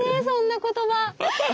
そんな言葉。